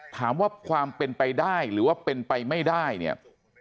ถามว่าความเป็นไปได้หรือว่าเป็นไปไม่ได้เนี่ย